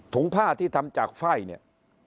ผ้าที่ทำจากไฟ่เนี่ย